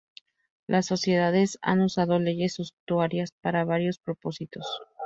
Las sociedades han usado leyes suntuarias para varios propósitos.